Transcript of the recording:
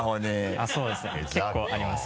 あっそうですね結構あります。